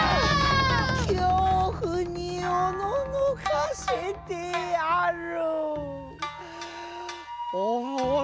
恐怖におののかせてやる。